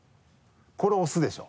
これオスでしょ？